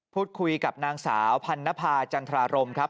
พูดคุยกับนางสาวพันนภาจันทรารมครับ